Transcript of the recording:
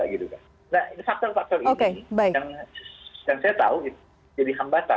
nah ini faktor faktor ini yang saya tahu jadi hambatan